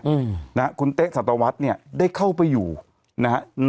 อืมนะฮะคุณเต๊ะสัตวรรษเนี่ยได้เข้าไปอยู่นะฮะอืม